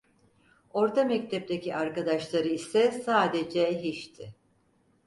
Orta mektepteki arkadaşları ise sadece hiçti…